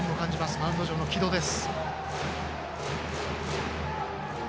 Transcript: マウンド上の城戸です。